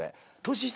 年下？